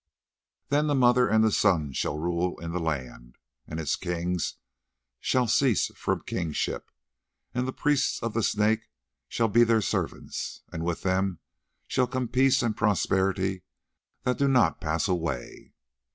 Then the mother and the son shall rule in the land, and its kings shall cease from kingship, and the priests of the Snake shall be their servants, and with them shall come peace and prosperity that do not pass away.